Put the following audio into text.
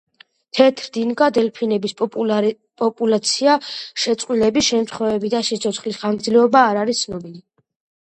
თეთრდინგა დელფინების პოპულაცია, შეწყვილების შემთხვევები და სიცოცხლის ხანგრძლივობა არ არის ცნობილი.